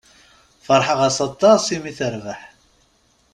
Feṛḥeɣ-as aṭas i mi terbeḥ.